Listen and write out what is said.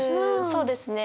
そうですね。